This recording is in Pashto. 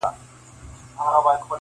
• چي مېړه وي هغه تل پر یو قرار وي -